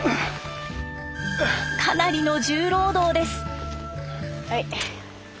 かなりの重労働です。